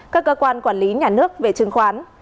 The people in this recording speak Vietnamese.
các cơ quan quản lý nhà nước về chứng khoán